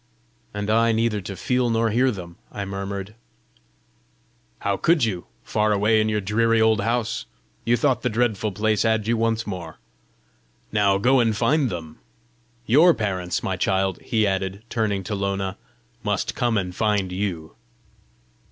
'" "And I neither to feel nor hear them!" I murmured. "How could you far away in your dreary old house! You thought the dreadful place had you once more! Now go and find them. Your parents, my child," he added, turning to Lona, "must come and find you!"